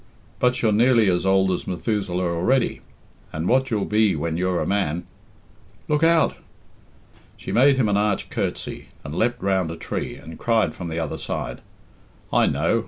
"But you're nearly as old as Methuselah already, and what you'll be when you're a man " "Lookout!" She made him an arch curtsey and leapt round a tree, and cried from the other side, "I know.